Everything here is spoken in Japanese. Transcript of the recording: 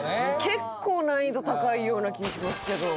結構難易度高いような気ぃしますけど。